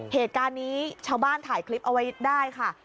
เหตุการณ์นี้ชาวบ้านถ่ายคลิปเอาไว้ได้ค่ะ